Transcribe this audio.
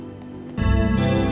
gak usah lah ya